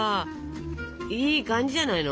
いい感じじゃないの。